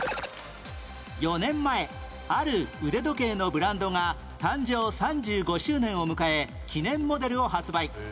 ４年前ある腕時計のブランドが誕生３５周年を迎え記念モデルを発売